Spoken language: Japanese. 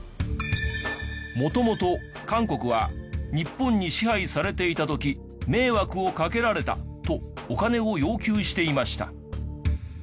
元々韓国は日本に支配されていた時「迷惑をかけられた」とお金を要求していました。